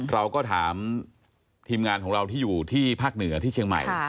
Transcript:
เราก็ถามทีมงานของเราที่อยู่ที่ภาคเหนือที่เชียงใหม่